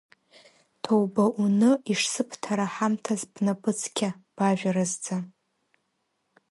Ҭоуба уны ишсыбҭара ҳамҭас бнапы цқьа, бажәа разӡа.